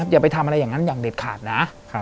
อย่าไปทำอะไรอย่างนั้นอย่างเด็ดขาดนะ